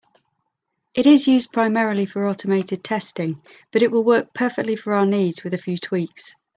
It is used primarily for automated testing, but it will work perfectly for our needs, with a few tweaks.